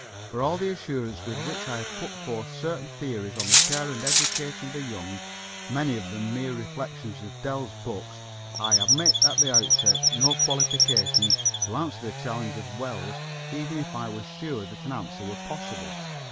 For all the assurance with which I have put forth certain theories on the care and education of the young, many of them mere reflections of Dell's book, I admit at the outset no qualification to answer the challenge of Wells even if I were sure that an answer were possible.